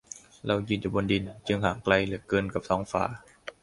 "เรายืนอยู่บนดิน จึงห่างไกลเหลือเกินกับท้องฟ้า"